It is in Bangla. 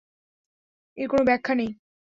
এর কোন ব্যাখ্যা নেই।